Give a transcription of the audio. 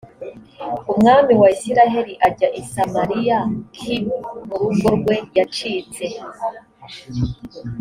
umwami wa isirayeli ajya i samariya k mu rugo rwe yacitse